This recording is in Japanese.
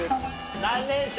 何年生？